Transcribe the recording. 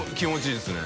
いいですね。